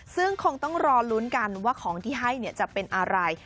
ซึ่งคงต้องรอลุ้นกันว่าของที่ให้จะเป็นอะไร